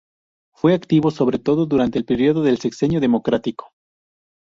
Fue activo sobre todo durante el periodo del Sexenio Democrático.